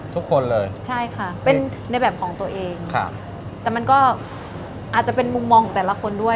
ทุกคนเลยใช่ค่ะเป็นในแบบของตัวเองครับแต่มันก็อาจจะเป็นมุมมองของแต่ละคนด้วย